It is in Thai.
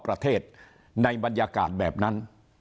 ประเทศในบรรยากาศแบบนั้น